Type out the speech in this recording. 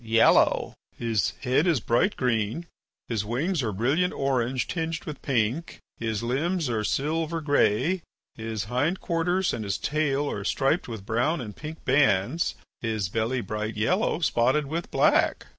"Yellow." "His head is bright green, his wings are brilliant orange tinged with pink, his limbs are silver grey, his hind quarters and his tail are striped with brown and pink bands, his belly bright yellow spotted with black."